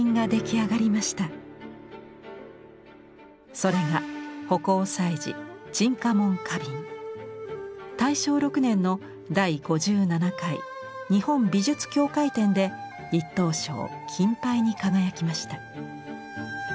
それが大正６年の第５７回日本美術協会展で１等賞金牌に輝きました。